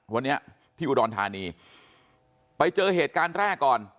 วันนี้ที่อุดรธานีไปเจอเหตุการณ์แรกก่อน